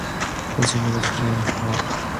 민수는 두어 번 손짓을 하여 들어가라는 뜻을 보이고 돌아섰다.